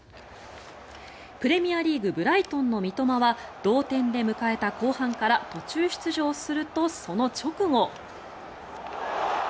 プレミアリーグブライトンの三笘は同点で迎えた後半から途中出場すると、その直後。